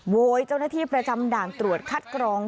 โวยเจ้าหน้าที่ประจำด่านตรวจคัดกรอง